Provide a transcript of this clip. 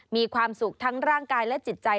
มีความสุขทั้งร่างกายและจิตใจ